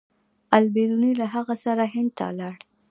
البیروني له هغه سره هند ته لاړ.